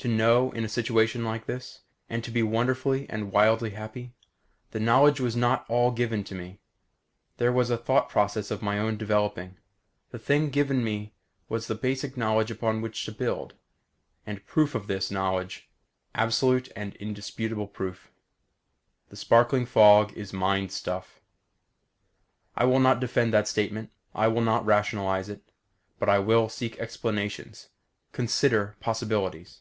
To know in a situation like this? And to be wonderfully and wildly happy? The knowledge was not all given me. There was a thought process of my own developing. The thing given me was the basic knowledge upon which to build. And proof of this knowledge. Absolute and indisputable proof. The sparkling fog is mind stuff. I will not defend that statement. I will not rationalize it. But I will seek explanations; consider possibilities.